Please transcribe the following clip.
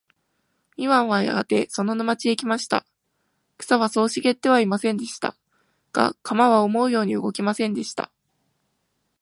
イワンはやがてその沼地へ来ました。草はそう茂ってはいませんでした。が、鎌は思うように動きませんでした。